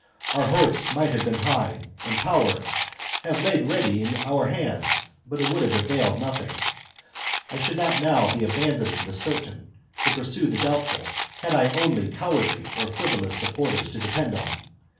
Our hopes might have been high, and power THE CONSPIRACY OF CATILINE. 1 7 liave lain ready to our hands, but it would have chap. availed nothing. I should not now be abandoning the certain to pursue the doubtful had I only cowardly or frivolous supporters to depend on.